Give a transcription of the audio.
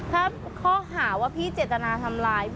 ถ้าข้อหาว่าพี่เจตนาทำร้าย